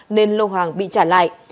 nên lô hàng bị trả lại